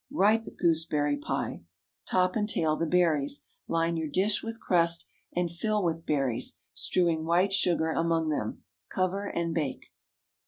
RIPE GOOSEBERRY PIE. Top and tail the berries. Line your dish with crust, and fill with berries, strewing white sugar among them. Cover and bake.